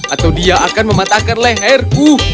atau dia akan mematahkan leherku